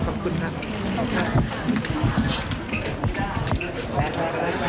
ขอบคุณมากค่ะ